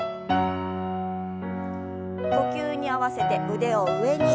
呼吸に合わせて腕を上に。